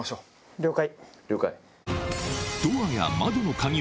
了解。